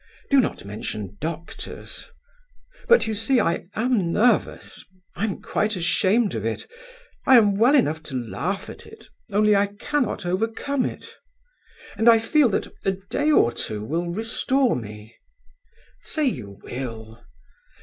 Do not mention doctors. But you see I am nervous. I am quite ashamed of it; I am well enough to laugh at it, only I cannot overcome it; and I feel that a day or two will restore me. Say you will.